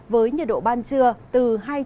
với nhiệt độ ban trưa từ hai mươi chín ba mươi hai độ